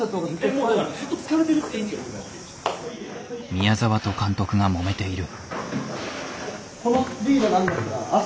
宮澤と監督がもめている。